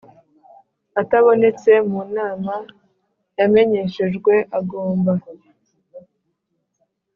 Atabonetse mu nama yamenyeshejwe agomba